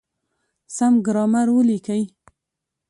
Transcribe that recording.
سم ګرامر وليکئ!.